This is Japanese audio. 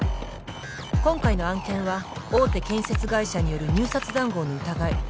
今回の案件は大手建設会社による入札談合の疑い。